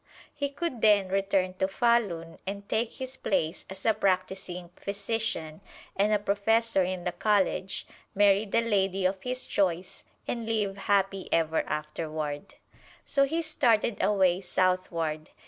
He could then return to Fahlun and take his place as a practising physician and a professor in the college, marry the lady of his choice and live happy ever afterward. So he started away southward.